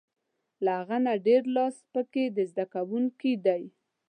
له هغه نه ډېر لاس په کې د زده کوونکي دی.